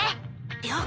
了解！